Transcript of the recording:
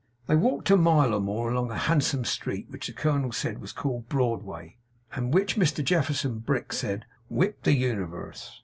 They walked a mile or more along a handsome street which the colonel said was called Broadway, and which Mr Jefferson Brick said 'whipped the universe.